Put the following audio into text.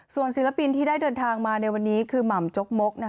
ส่วนศิลปินที่ได้เดินทางมาในวันนี้คือหม่ำจกมก